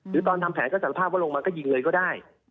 ตอนทำแผนก็สารภาพว่าลงมาก็ยิงเลยก็ได้